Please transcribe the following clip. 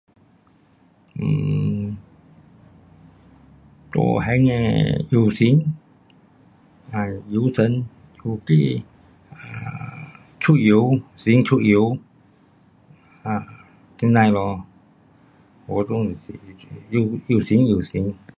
um 大型的游行，游神，出街，um 出游，神出游，um 这样的咯。活动就是去游行，游行。